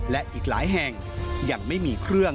และอีกหลายแห่งยังไม่มีเครื่อง